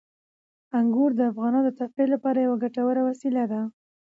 انګور د افغانانو د تفریح لپاره یوه ګټوره وسیله ده.